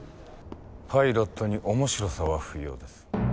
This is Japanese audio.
パイロットに面白さは不要です。